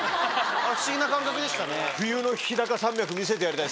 あれ不思議な感覚でしたね。